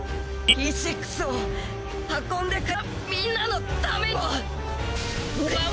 Ｅ６を運んでくれたみんなのためにも！